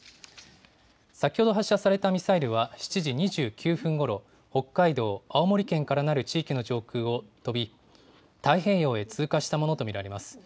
先ほど発射されたミサイルは、７時２９分ごろ、北海道、青森県からなる地域の上空を飛び、太平洋へ通過したものと見られます。